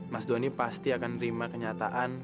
mas doni pasti akan terima kenyataan